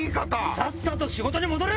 さっさと仕事に戻れ！